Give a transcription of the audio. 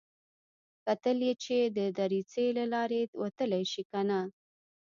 کتل يې چې د دريڅې له لارې وتلی شي که نه.